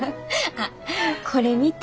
あっこれ見て。